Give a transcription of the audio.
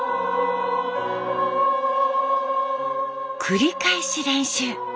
繰り返し練習。